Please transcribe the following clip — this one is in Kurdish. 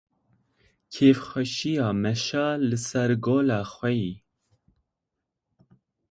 Kêfxweşiya meşa li ser Gola Xwêyî.